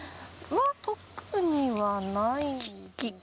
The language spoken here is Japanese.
特にはないかな。